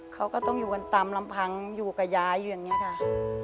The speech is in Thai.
เขาก็ต้องอยู่กันตามลำพังอยู่กับยายอยู่อย่างนี้ค่ะ